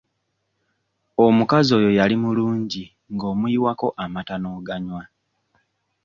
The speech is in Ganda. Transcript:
Omukazi oyo yali mulungi nga omuyiwako amata n'oganywa.